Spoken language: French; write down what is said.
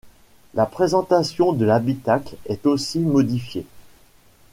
La présentation de l’habitacle est aussi modifiée.